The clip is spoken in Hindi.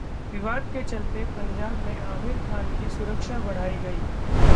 विवाद के चलते पंजाब में आमिर खान की सुरक्षा बढ़ाई गई